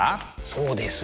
そうですね。